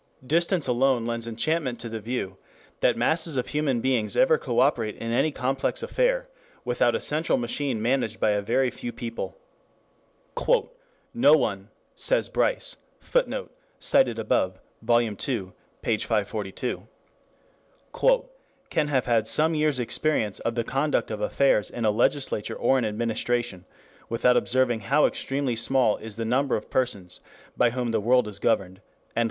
4 Distance alone lends enchantment to the view that masses of human beings ever coöperate in any complex affair without a central machine managed by a very few people. "No one," says Bryce, [Footnote: Op. cit., Vol. II, p. 542.] "can have had some years' experience of the conduct of affairs in a legislature or an administration without observing how extremely small is the number of persons by whom the world is governed."